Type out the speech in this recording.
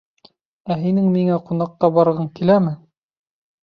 Ә һинең миңә ҡунаҡҡа барғың киләме?